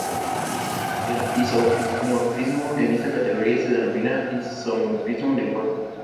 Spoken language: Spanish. Un isomorfismo en esta categoría se denomina isomorfismo uniforme.